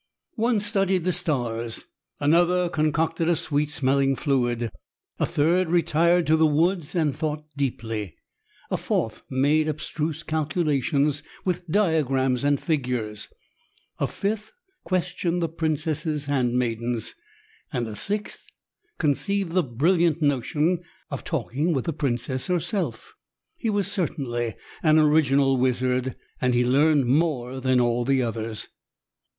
One studied the stars, another concocted a sweet smelling fluid, a third retired to the woods and thought deeply, a fourth made abstruse calculations with diagrams and figures, a fifth questioned the princess' handmaidens, and a sixth conceived the brilliant notion of talking with the princess herself. He was certainly an original wizard, and he learned more than all the others.